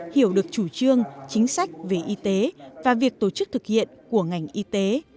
hiểu được chủ trương chính sách về y tế và việc tổ chức thực hiện của ngành y tế